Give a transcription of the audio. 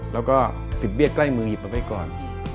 แล้วก็สิบเบี้ยใกล้มือหยิบเอาไว้ก่อน